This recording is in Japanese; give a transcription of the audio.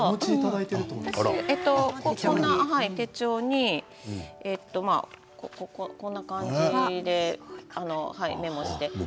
こんな手帳にこんな感じでメモをしています。